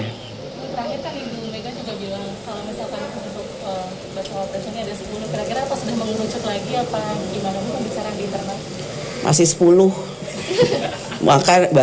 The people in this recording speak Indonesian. terakhir kan ibu mega juga bilang kalau misalkan untuk bacawa press ini ada sepuluh kira kira atau sudah menguncung lagi apa gimana